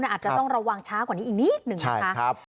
อาจจะต้องระวังช้ากว่านี้อีกนิดหนึ่งนะคะ